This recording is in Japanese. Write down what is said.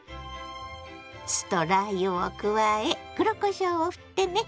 酢とラー油を加え黒こしょうをふってね！